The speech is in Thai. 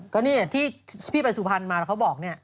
ก็เนี่ยที่พี่ไปสุพรรณมาแล้วเขาบอกเนี่ย